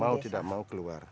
mau tidak mau keluar